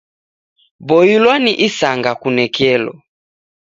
Boilwa ni isanga kunekelo